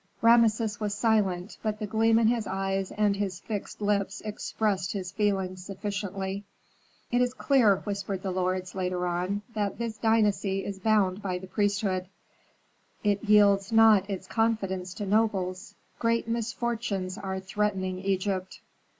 Rameses was silent, but the gleam in his eyes and his fixed lips expressed his feelings sufficiently. "It is clear," whispered the lords, later on, "that this dynasty is bound by the priesthood. It yields not its confidence to nobles; great misfortunes are threatening Egypt."